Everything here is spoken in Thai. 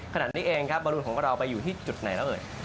ขณะนี้เองครับบอลรุนของเราไปอยู่ที่จุดไหนแล้วเอ่ย